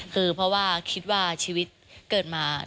คือเพราะว่าคิดว่าชีวิตเกิดมา